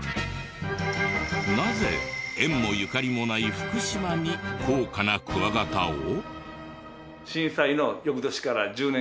なぜ縁もゆかりもない福島に高価なクワガタを？